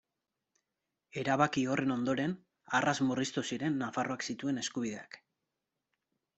Erabaki horren ondoren, arras murriztu ziren Nafarroak zituen eskubideak.